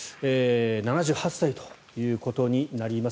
７８歳ということになります。